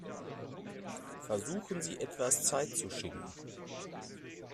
Versuchen Sie, etwas Zeit zu schinden.